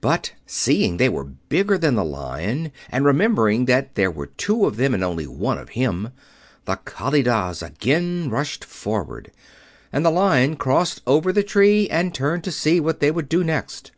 But, seeing they were bigger than the Lion, and remembering that there were two of them and only one of him, the Kalidahs again rushed forward, and the Lion crossed over the tree and turned to see what they would do next.